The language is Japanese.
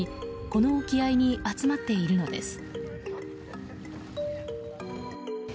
この沖合に集まっているのです。